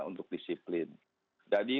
untuk disiplin jadi